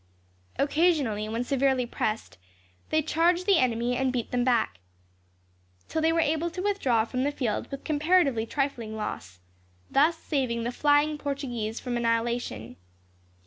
Occasionally, when severely pressed, they charged the enemy and beat them back; till they were able to withdraw from the field with comparatively trifling loss, thus saving the flying Portuguese from annihilation.